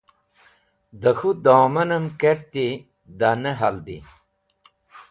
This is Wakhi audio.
Dẽ k̃hũ domanem karti, da ne haldi.